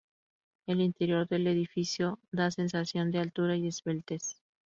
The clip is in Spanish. El interior del edificio da sensación de altura y esbeltez.